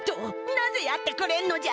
なぜやってくれんのじゃ？